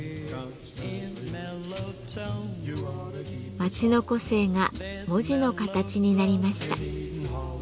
街の個性が文字の形になりました。